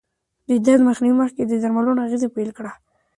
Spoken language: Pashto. د درد مخنیوي مخکې د درملو اغېزه پېل کېږي.